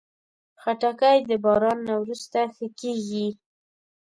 خټکی د باران نه وروسته ښه کېږي.